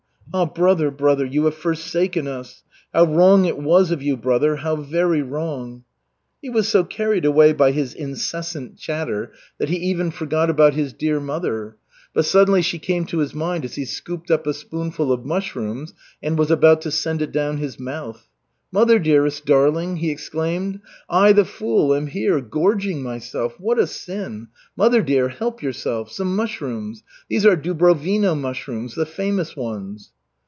Ah, brother, brother, you have forsaken us! How wrong it was of you, brother, how very wrong!" He was so carried away by his incessant chatter that he even forgot about his dear mother. But suddenly she came to his mind as he scooped up a spoonful of mushrooms and was about to send it down his mouth. "Mother, dearest, darling!" he exclaimed. "I, the fool, am here, gorging myself. What a sin! Mother dear, help yourself. Some mushrooms. These are Dubrovino mushrooms. The famous ones."